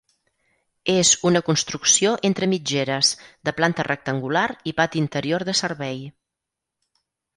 És una construcció entre mitgeres, de planta rectangular i pati interior de servei.